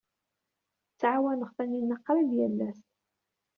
Ttɛawaneɣ Taninna qrib yal ass.